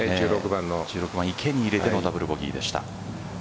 １６番、池に入れてのダブルボギーでした。